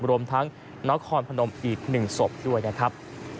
รวมทั้งนครพนมอีก๑ศพด้วยนะครับ